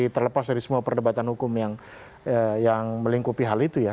terlepas dari semua perdebatan hukum yang melingkupi hal itu ya